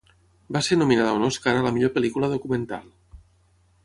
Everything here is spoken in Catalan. Va ser nominada a un Oscar a la millor pel·lícula documental.